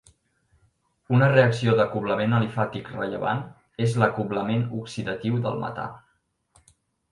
Una reacció d'acoblament alifàtic rellevant és l'acoblament oxidatiu del metà.